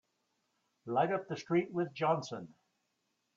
Light up with the street with Johnson!